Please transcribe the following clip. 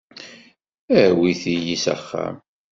Awit-iyi s axxam.